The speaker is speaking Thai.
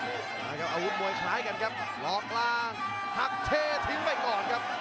มาครับอาวุธมวยคล้ายกันครับหลอกล่างหักเช่ทิ้งไปก่อนครับ